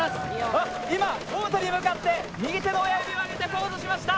あっ今ボートに向かって右手の親指を上げてポーズしました。